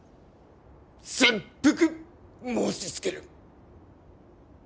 切腹申しつける。